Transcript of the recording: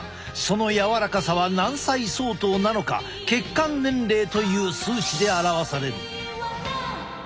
その柔らかさは何歳相当なのか血管年齢という数値で表される。